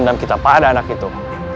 dan kita pada anak itu